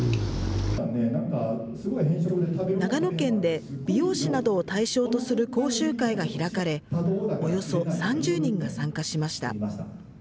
長野県で美容師などを対象とする講習会が開かれ、およそ３０人が参加しました。